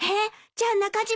じゃあ中島